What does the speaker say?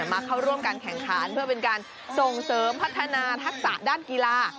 มาเข้าร่วมการแข่งขันเพื่อเป็นการส่งเสริมพัฒนาทักษะด้านกีฬา